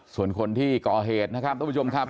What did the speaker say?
ส่วนคนที่ก่อเหตุนะครับท่านผู้ชมครับ